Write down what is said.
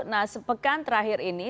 nah sepekan terakhir ini